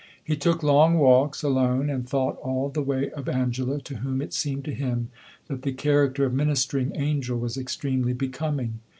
He took long walks, alone, and thought all the way of Angela, to whom, it seemed to him, that the character of ministering angel was extremely becoming.